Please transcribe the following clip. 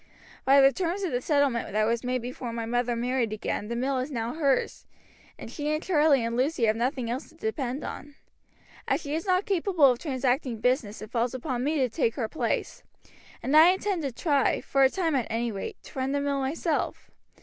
By the terms of the settlement that was made before my mother married again the mill is now hers, and she and Charlie and Lucy have nothing else to depend upon. As she is not capable of transacting business it falls upon me to take her place, and I intend to try, for a time at any rate, to run the mill myself.